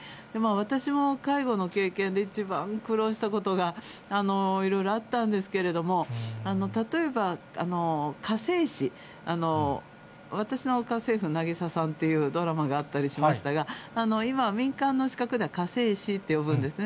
私も介護の経験で一番苦労したことがいろいろあったんですけれども、例えば家政師、私の家政夫ナギサさんっていうドラマがあったりしましたが、今は民間の資格では家政師と呼ぶんですね。